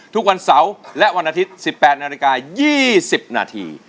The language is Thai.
ทุกวันเสาร์และวันอาทิตย์๑๘นาฬิกา๒๐นาที